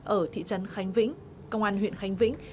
ở thị trấn khánh vĩnh công an huyện khánh vĩnh